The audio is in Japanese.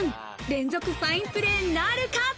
連続ファインプレーなるか？